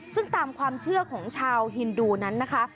ซึ่งตามความเชื่อของชาวฮินดูนั้นนะคะ